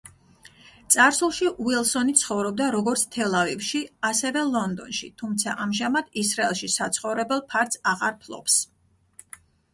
წარსულში უილსონი ცხოვრობდა როგორც თელ-ავივში, ასევე ლონდონში, თუმცა ამჟამად ისრაელში საცხოვრებელ ფართს აღარ ფლობს.